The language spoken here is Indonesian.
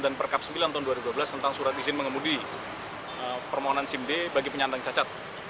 dan perkab sembilan tahun dua ribu dua belas tentang surat izin mengemudi permohonan simd bagi penyandang cacat